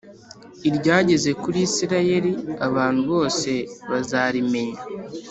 iryageze kuri Isirayeli Abantu bose bazarimenya